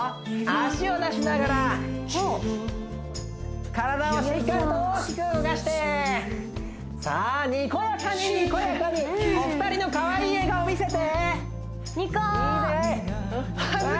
足を出しながら体をしっかりと大きく動かしてさあにこやかににこやかにお二人のかわいい笑顔見せてニコいいね！